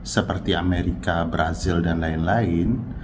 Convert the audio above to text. seperti amerika brazil dan lain lain